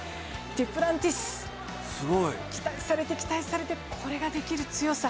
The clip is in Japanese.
デュプランティス、期待されて期待されて、これができる強さ。